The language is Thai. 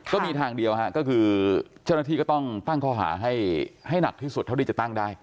ก็มีทางเดียวก็คือเจ้าหน้าที่ก็ต้องตั้งข้อหาให้หนักที่สุดเท่าที่จะตั้งได้